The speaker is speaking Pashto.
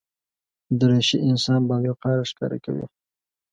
دریشي انسان باوقاره ښکاره کوي.